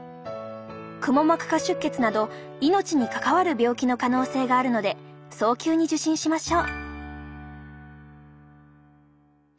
くも膜下出血など命に関わる病気の可能性があるので早急に受診しましょう。